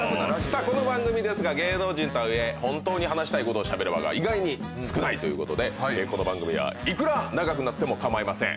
この番組ですが芸能人とはいえ本当に話したいことをしゃべる場が意外に少ないということでこの番組はいくら長くなっても構いません。